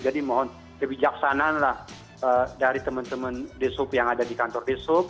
jadi mohon kebijaksanaanlah dari teman teman ishope yang ada di kantor ishope